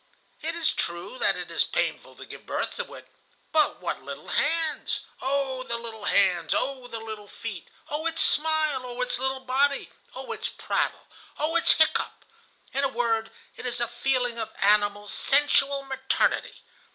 It is true that it is painful to give birth to it, but what little hands! ... Oh, the little hands! Oh, the little feet! Oh, its smile! Oh, its little body! Oh, its prattle! Oh, its hiccough! In a word, it is a feeling of animal, sensual maternity.